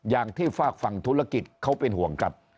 อย่างที่ฝากฝั่งธุรกิจเขาเป็นห่วงครับ